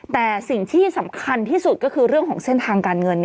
แต่สิ่งที่สำคัญที่สุดก็คือเรื่องของเส้นทางการเงิน